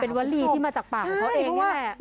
วลีที่มาจากปากของเขาเองนี่แหละ